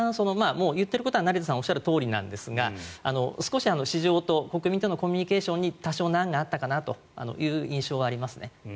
言っていることは、成田さんがおっしゃるとおりなんですが少し市場と、国民とのコミュニケーションに多少難があったかなという印象はありますね。